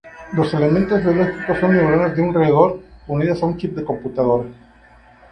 Los elementos biológicos son neuronas de roedor unidas a un chip de computadora.